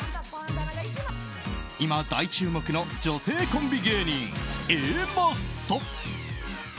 今、大注目の女性コンビ芸人Ａマッソ。